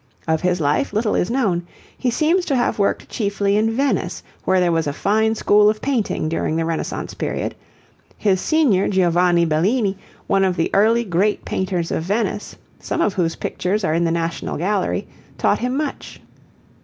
Of his life little is known. He seems to have worked chiefly in Venice where there was a fine school of painting during the Renaissance Period; his senior Giovanni Bellini, one of the early great painters of Venice, some of whose pictures are in the National Gallery, taught him much.